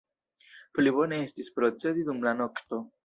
Pli bone estis procedi dum la nokto.